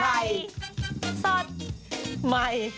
ใหม่